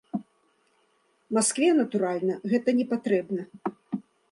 Маскве, натуральна, гэта не патрэбна.